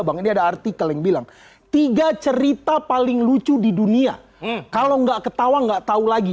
bang ini ada artikel yang bilang tiga cerita paling lucu di dunia kalau nggak ketawa nggak tahu lagi